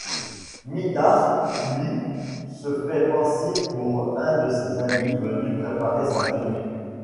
Midas lui, se fait passer pour un de ses amis venu préparer sa venue.